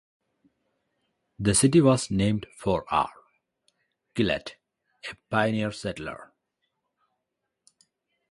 The city was named for R. Gillett, a pioneer settler.